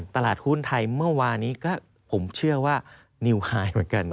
ตลาดหุ้นไทยเมื่อวานนี้ก็ผมเชื่อว่านิวไฮเหมือนกัน